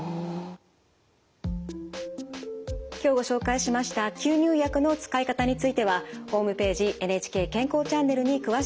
今日ご紹介しました吸入薬の使い方についてはホームページ「ＮＨＫ健康チャンネル」に詳しく掲載されています。